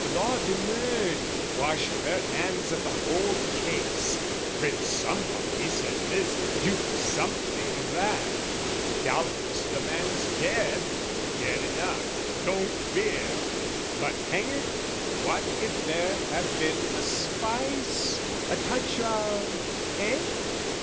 "Law demurred, washed her hands of the whole case. "Prince Somebody said this, Duke Something, that. "Doubtless the man's dead, dead enough, don't fear! "But, hang it, what if there have been a spice, "A touch of...eh?